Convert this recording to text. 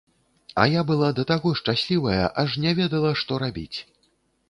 А я была да таго шчаслівая, аж не ведала, што рабіць.